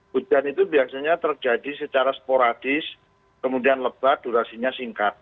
hujan itu biasanya terjadi secara sporadis kemudian lebat durasinya singkat